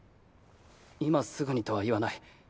今すぐにとは言わない。